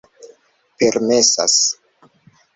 permesas